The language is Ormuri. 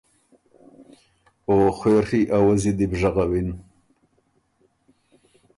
او خوېڒی اوزّي دی بو ژغوِن۔